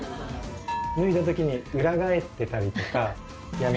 脱いだ時に裏返ってたりとか。